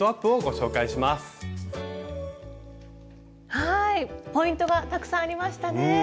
はいポイントがたくさんありましたね。